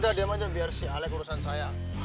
udah diam aja biar si aleg urusan saya